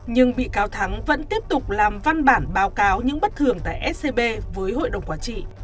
nhưng bị cáo thắng vẫn tiếp tục làm văn bản báo cáo những bất thường tại scb với hội đồng quản trị